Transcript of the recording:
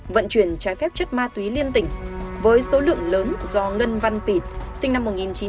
vận chuyển trái phép chất ma túy liên tỉnh với số lượng lớn do ngân văn pịt sinh năm một nghìn chín trăm tám mươi